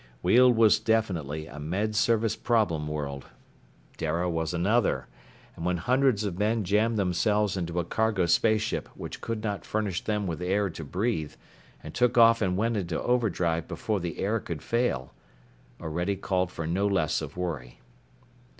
Weald was definitely a Med Service problem world. Dara was another. And when hundreds of men jammed themselves into a cargo spaceship which could not furnish them with air to breathe, and took off and went into overdrive before the air could fail.... Orede called for no less of worry.